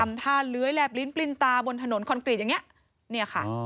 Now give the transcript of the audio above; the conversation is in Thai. ทำทาเร้วแลบลิ้นปลิ้นตาบนถนนคอนกรีตอย่างนี้